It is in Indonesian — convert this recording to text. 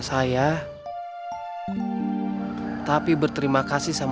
saya tidak menyaksikan sob